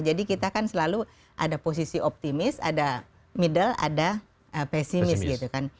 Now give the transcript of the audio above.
jadi kita kan selalu ada posisi optimis ada middle ada pesimis gitu kan